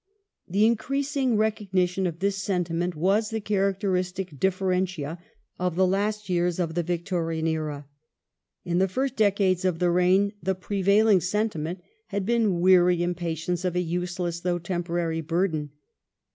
The Im '^^ increasing recognition of this sentiment was the character perial idea jstic differentia of the last years of the Victorian era. In the first decades of the reign the prevailing sentiment had been weary im patience of a useless though temporary burden.